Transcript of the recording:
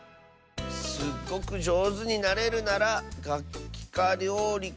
すっごくじょうずになれるならがっきかりょうりか。